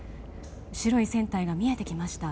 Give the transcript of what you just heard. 白い船体が見えてきました。